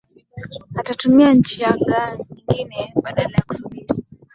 atatumia njia nyingine badala ya kusubiri